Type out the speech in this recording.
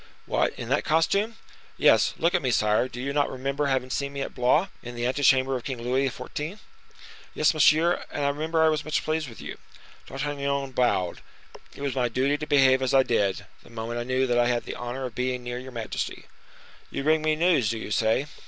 "What, in that costume?" "Yes; look at me, sire; do you not remember having seen me at Blois, in the ante chamber of King Louis XIV.?" "Yes, monsieur, and I remember I was much pleased with you." D'Artagnan bowed. "It was my duty to behave as I did, the moment I knew that I had the honor of being near your majesty." "You bring me news, do you say?"